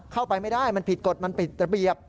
เข้าไปไม่ได้มันผิดกฎมันผิดระเบียบ